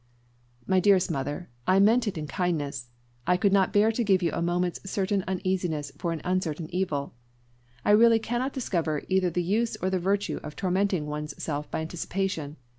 "My dearest mother, I meant it in kindness. I could not bear to give you a moment's certain uneasiness for an uncertain evil. I really cannot discover either the use or the virtue of tormenting one's self by anticipation.